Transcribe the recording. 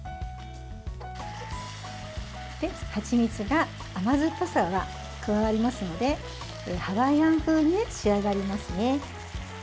はちみつで甘酸っぱさが加わりますのでハワイアン風に仕上がります。